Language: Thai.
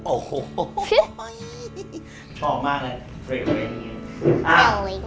โอ้โหชอบมากเลยเพลงนี้